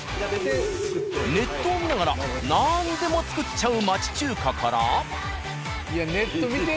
ネットを見ながらなんでも作っちゃう町中華から。